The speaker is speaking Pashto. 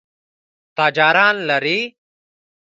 تاجران لري.